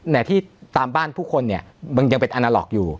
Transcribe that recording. แต่ที่ตามบ้านผู้คนเนี่ยมันยังเป็นอาณาล็อกอยู่